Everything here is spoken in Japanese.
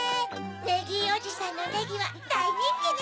ネギーおじさんのネギはだいにんきね。